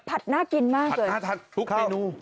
ผัดน่ากินมากเลยผัดน่าทันทุกปีนู